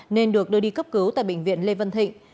nên được đưa đi cấp cứu tại bệnh viện lê văn thịnh